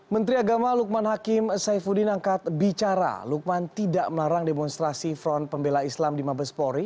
menteri agama lukman hakim saifuddin angkat bicara lukman tidak melarang demonstrasi front pembela islam di mabespori